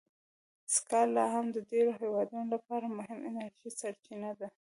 سکاره لا هم د ډېرو هېوادونو لپاره مهمه انرژي سرچینه ده.